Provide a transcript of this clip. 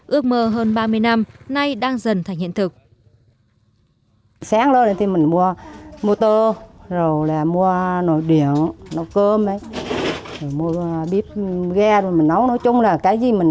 ước mơ hơn ba mươi năm nay đang dần thành hiện thực